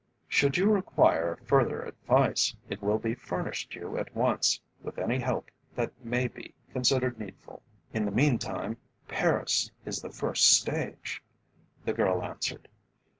Should you require further advice, it will be furnished you at once, with any help that may be considered needful." "In the meantime, Paris is the first stage," the girl answered.